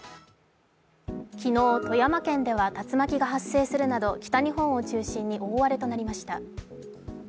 昨日、富山県では竜巻が発生するなど北日本を中心に大荒れとなりました。